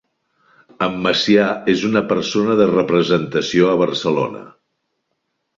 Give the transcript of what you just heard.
En Macià és una persona de representació a Barcelona.